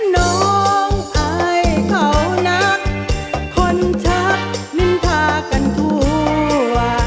น้องอายเขานักคนชักนินทากันทั่ว